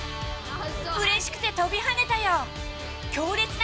うれしくて跳びはねたよ。